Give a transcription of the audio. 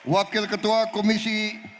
wakil ketua komisi